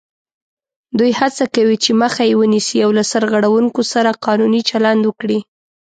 دوی هڅه کوي چې مخه یې ونیسي او له سرغړوونکو سره قانوني چلند وکړي